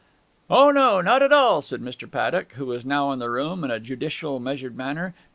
'O no, not at all,' said Mr. Paddock, who was now in the room, in a judicial measured manner.